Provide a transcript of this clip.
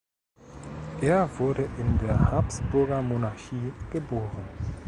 Er wurde in der Habsburgermonarchie geboren.